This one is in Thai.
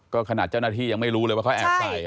ก็ขนาดเจ้าหน้าที่ยังไม่รู้เลยว่าเขาแอบใส่